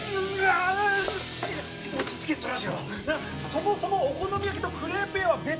そもそもお好み焼きとクレープ屋は別物！